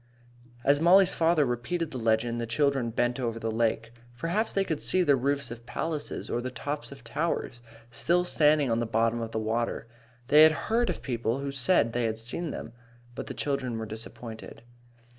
As Mollie's father repeated the legend, the children bent over the lake. Perhaps they could see the roofs of palaces, or the tops of towers, still standing on the bottom of the water. They had heard of people who said they had seen them. But the children were disappointed.